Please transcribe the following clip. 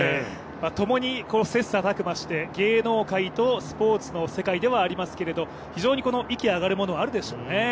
ともにこの切磋琢磨して芸能界とスポーツの世界ではありますけど非常に息上がるものはあるでしょうね。